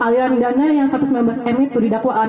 aliran dana yang satu ratus sembilan belas m itu didakwaan